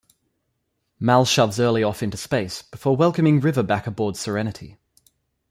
Mal shoves Early off into space, before welcoming River back aboard "Serenity".